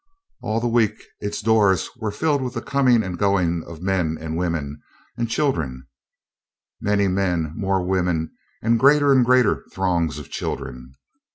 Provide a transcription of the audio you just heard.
All the week its doors were filled with the coming and going of men and women and children: many men, more women, and greater and greater throngs of children.